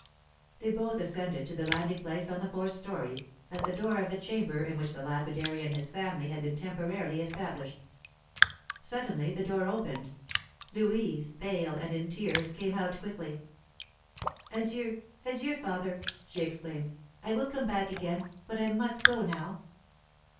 They both ascended to the landing place on the fourth story, at the door of the chamber in which the lapidary and his family had been temporarily established. Suddenly the door opened. Louise, pale and in tears, came out quickly. "Adieu, adieu, father!" she exclaimed. "I will come back again, but I must go now."